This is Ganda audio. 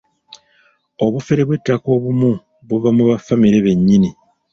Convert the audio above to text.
Obufere bw'ettaka obumu buva mu ba ffamire bennyini.